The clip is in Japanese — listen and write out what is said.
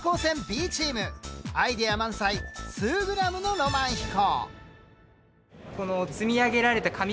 アイデア満載「数グラムのロマン飛行」。